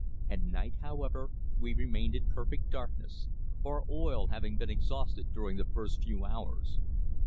At night, however, we remained in perfect darkness, our oil having been exhausted during the first few hours.